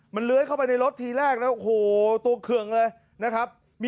มันเล้ยเข้าไปในรถทีแรกตัวเคืองเลย